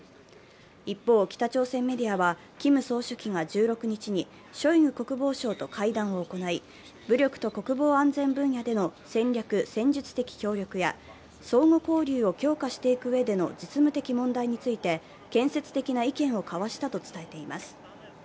一方、北朝鮮メディアはキム総書記が１６日に、ショイグ国防相と会談を行い、武力と国防安全分野での戦略・戦術的協力や相互交流を強化していくうえでの実務的問題について建設的な意見を交わしたと伝えています。